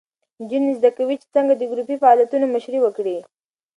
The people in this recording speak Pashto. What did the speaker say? نجونې زده کوي چې څنګه د ګروپي فعالیتونو مشري وکړي.